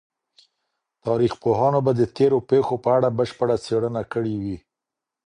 تاريخ پوهانو به د تېرو پېښو په اړه بشپړه څېړنه کړې وي.